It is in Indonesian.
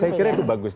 saya kira itu bagus